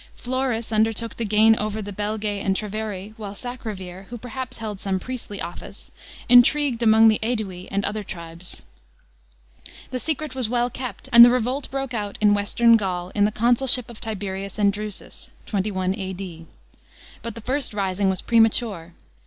Florus undertook to gain over the Belgse and Treveri while Sacrovir, who perhaps held some priestly office, intrigued among the Mdui and other tribes. The secret was well kept, and the revolt broke out in western Gaul in the consulship of Tiberius and Drusus (21 A.D.). But the first rising was premature.